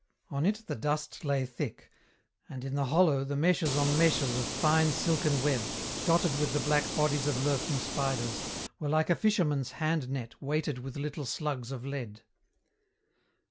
On it the dust lay thick, and and in the hollow the meshes on meshes of fine silken web, dotted with the black bodies of lurking spiders, were like a fisherman's hand net weighted with little slugs of lead.